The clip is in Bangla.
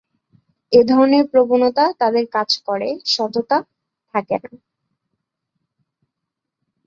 এ ধরনের প্রবণতা তাঁদের কাজ করে, সততা থাকে না।